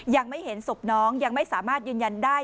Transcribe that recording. ยังไม่เห็นศพน้องยังไม่สามารถยืนยันได้